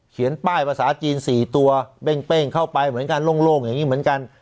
เขียนป้ายภาษาจีนสี่ตัวเบ้งเบ้งเข้าไปเหมือนกันโล่งโล่งอย่างงี้เหมือนกัน